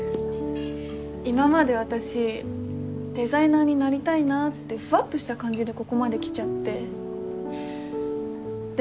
今まで私デザイナーになりたいなってふわっとした感じでここまで来ちゃってでも今は本気でなろうって思ってる